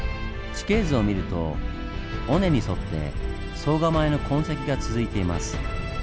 地形図を見ると尾根に沿って総構の痕跡が続いています。